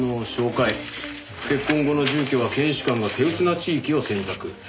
「結婚後の住居は検視官が手薄な地域を選択」。